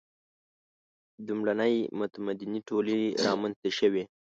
• لومړنۍ متمدنې ټولنې رامنځته شوې.